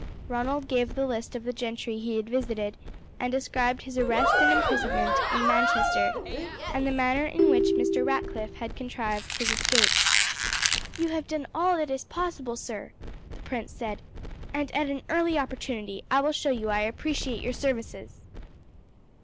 Ronald gave the list of the gentry he had visited, and described his arrest and imprisonment in Manchester and the manner in which Mr. Ratcliff had contrived his escape. "You have done all that is possible, sir," the prince said, "and at an early opportunity I will show you I appreciate your services."